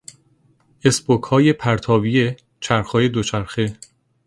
اسپوکهای پرتاوی چرخهای دوچرخه